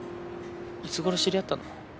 いつ頃知り合ったの？